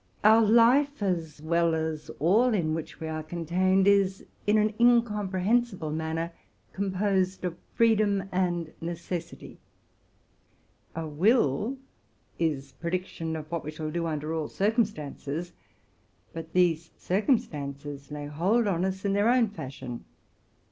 Our life, as well as that whole in which we are contained, is, in an incomprehensible manner, composed of freedom and necessity. That which we would do is a prediction of what we shall do, under all circumstances. But these circumstances lay hold on us in their own fashion.